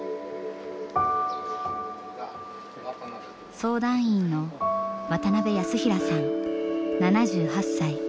相談員の渡邊康平さん７８歳。